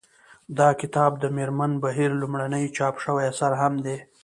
دا کتاب د مېرمن بهیر لومړنی چاپ شوی اثر هم دی